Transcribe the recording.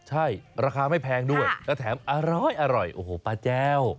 ใช่ราคาไม่แพงด้วยแล้วแถมอร้อยโอ้โหป้าแจ้ว